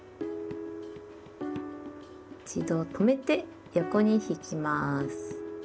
一度止めて横に引きます。